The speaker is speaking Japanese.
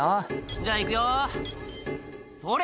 じゃあいくよそれ！」